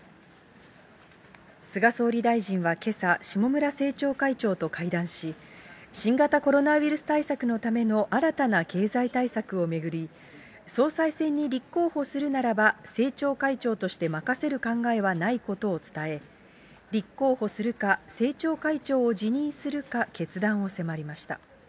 菅総理大臣はけさ、下村政調会長と会談し、新型コロナウイルス対策のための新たな経済対策を巡り、総裁選に立候補するならば、政調会長として任せる考えはないことを伝え、立候補するか、政調会長を辞任するか決断を迫りました。